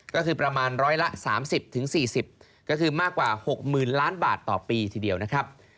ก็คือประมาณร้อยละ๓๐๔๐ก็คือมากกว่า๖๐๐๐ล้านบาทต่อปีทีเดียวนะครับ